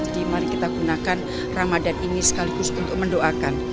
jadi mari kita gunakan ramadan ini sekaligus untuk mendoakan